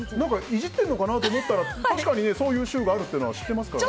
イジっているのかなと思ったら確かに、そういう週があるのは知ってますからね。